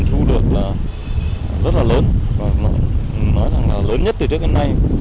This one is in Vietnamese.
thu được là rất là lớn và nói rằng là lớn nhất từ trước đến nay